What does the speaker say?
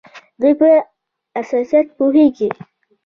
دوی په سیاست پوهیږي.